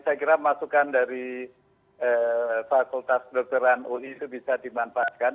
saya kira masukan dari fakultas dokteran ui itu bisa dimanfaatkan